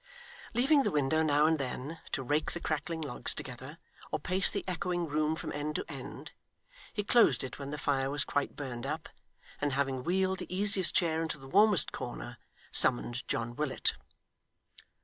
Leaving the window now and then, to rake the crackling logs together, or pace the echoing room from end to end, he closed it when the fire was quite burnt up, and having wheeled the easiest chair into the warmest corner, summoned John Willet.